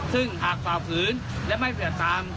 ซึ่งหากฝ่าฝืนและไม่เปรียบตาม